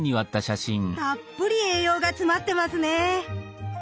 たっぷり栄養が詰まってますね。